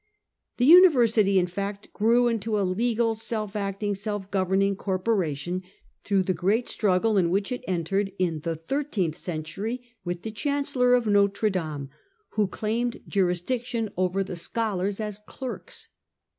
The University, in fact, grew into a legal, self acting, self governing corporation through the great struggle on which it entered in the thirteenth century with the Chancellor of Notre Dame, who claimed jurisdiction over the scholars as clerks.